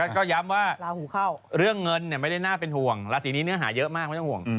ก็ย้ำว่าลาหูเข้าเรื่องเงินไม่ได้น่าเป็นห่วงราศีนี้เนื้อหาเยอะมากไม่ต้องห่วง